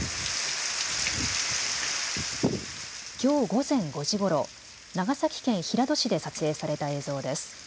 きょう午前５時ごろ長崎県平戸市で撮影された映像です。